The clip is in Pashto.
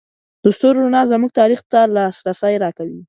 د ستورو رڼا زموږ تاریخ ته لاسرسی راکوي.